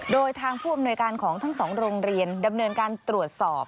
โดยทางผู้อำนวยการของทั้งสองโรงเรียนดำเนินการตรวจสอบ